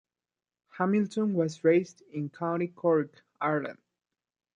Hamilton was raised in County Cork, Ireland.